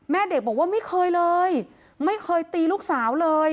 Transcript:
แม่เด็กบอกว่าไม่เคยเลยไม่เคยตีลูกสาวเลย